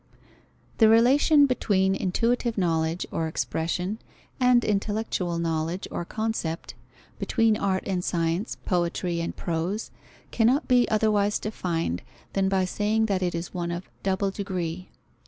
_ The relation between intuitive knowledge or expression, and intellectual knowledge or concept, between art and science, poetry and prose, cannot be otherwise defined than by saying that it is one of double degree.